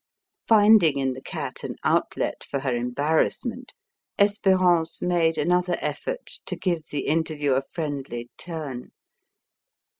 Finding in the cat an outlet for her embarrassment, Espérance made another effort to give the interview a friendly turn.